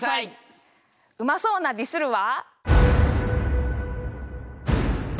うまそうな「ディスる」は。